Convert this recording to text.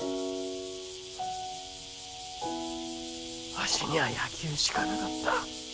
わしにゃあ野球しかなかった。